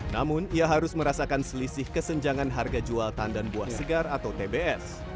namun ia harus merasakan selisih kesenjangan harga jual tandan buah segar atau tbs